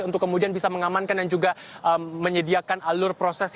untuk kemudian bisa mengamankan dan juga menyediakan alur proses yang bisa dihadiri oleh pihak pihak